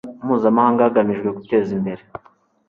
mpuzamahanga hagamijwe guteza imbere